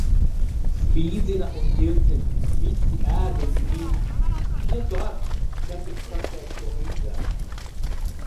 Spīdzina un ķircina, visi ēd un nīd. Ietu ar, kad tik tas ko līdzētu.